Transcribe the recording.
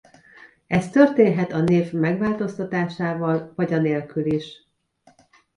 Ez történhet a név megváltoztatásával vagy anélkül is.